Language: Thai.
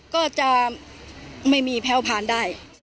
ก็จะไม่มีแพ้วผ่านได้